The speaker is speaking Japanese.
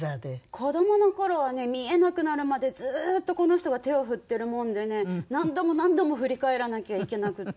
子どもの頃はね見えなくなるまでずーっとこの人が手を振ってるもんでね何度も何度も振り返らなきゃいけなくて。